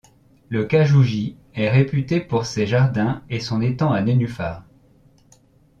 Le Kajū-ji est réputé pour ses jardins et son étang à nénuphars.